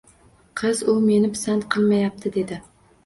Qiz, u meni pisand qilmayapti dedi.